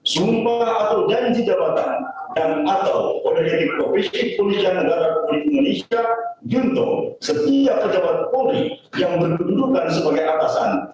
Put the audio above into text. sumpah atau janji jabatan dan atau kode etik profesi kepolisian negara republik indonesia juntuh setiap pejabat polri yang berkedudukan sebagai atasan